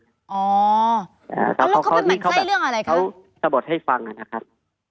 อ่าแล้วเขาเป็นหมั่นไส้เรื่องอะไรครับเขาสะบดให้ฟังอ่ะนะครับ